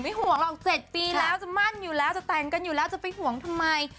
ห่วงหรอก๗ปีแล้วจะมั่นอยู่แล้วจะแต่งกันอยู่แล้วจะไปห่วงทำไม